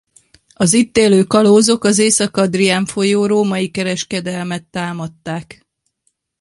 Az itt élő kalózok az Észak-Adrián folyó római kereskedelmet támadták.